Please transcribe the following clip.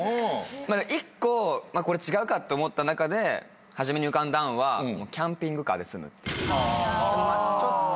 １個これ違うかって思った中で初めに浮かんだのはキャンピングカーで住むっていう。